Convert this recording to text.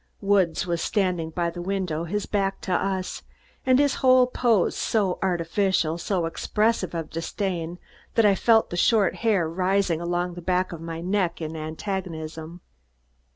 Woods was standing by the window, his back to us, and his whole pose so artificial, so expressive of disdain, that I felt the short hair rising along the back of my neck in antagonism.